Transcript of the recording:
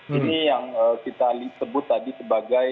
ini yang kita sebut tadi sebagai